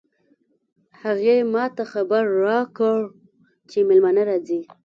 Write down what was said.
هغې ما ته خبر راکړ چې مېلمانه راځي